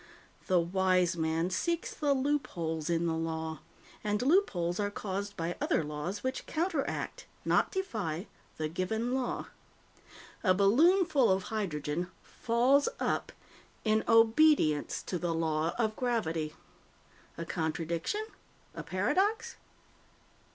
The wise man seeks the loopholes in the law, and loopholes are caused by other laws which counteract not defy! the given law. A balloon full of hydrogen "falls up" in obedience to the Law of Gravity. A contradiction? A paradox?